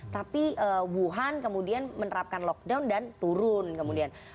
tapi wuhan kemudian menerapkan lockdown dan turun kemudian